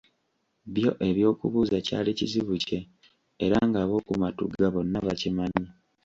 Byo eby’okubuuza kyali kizibu kye era nga ab’oku Matugga bonna bakimanyi.